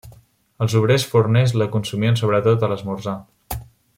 Els obrers forners la consumien sobretot a l'esmorzar.